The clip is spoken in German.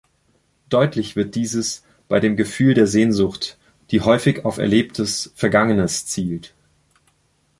Deutlich wird dieses bei dem Gefühl der Sehnsucht, die häufig auf Erlebtes, Vergangenes zielt.